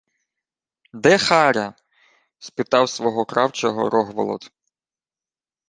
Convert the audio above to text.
— Де Харя? — спитав свого кравчого Рогволод.